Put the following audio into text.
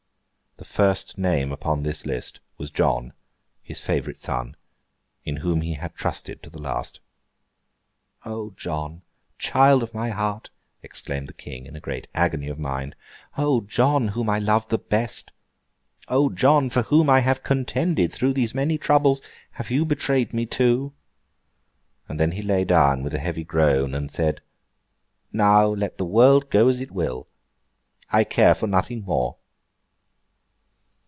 The first name upon this list was John, his favourite son, in whom he had trusted to the last. 'O John! child of my heart!' exclaimed the King, in a great agony of mind. 'O John, whom I have loved the best! O John, for whom I have contended through these many troubles! Have you betrayed me too!' And then he lay down with a heavy groan, and said, 'Now let the world go as it will. I care for nothing more!